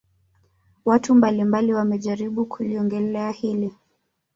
Watu mbali mbali wamejaribu kuliongelea hili